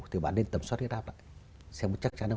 thì bạn nên tầm soát huyết áp lại